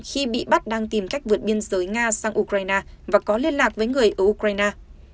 khi bị bắt đang tìm cách vượt biên giới nga sang ukraine và có liên lạc với người ở ukraine